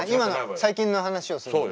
最近の話をするのね？